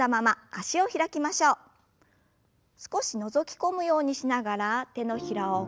少しのぞき込むようにしながら手のひらを返して腕を前に。